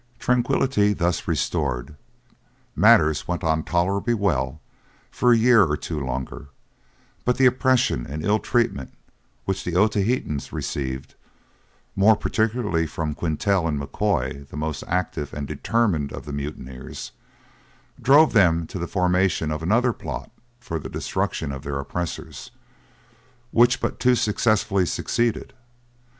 Tranquillity being thus restored, matters went on tolerably well for a year or two longer; but the oppression and ill treatment which the Otaheitans received, more particularly from Quintal and M'Koy, the most active and determined of the mutineers, drove them to the formation of another plot for the destruction of their oppressors, which but too successfully succeeded.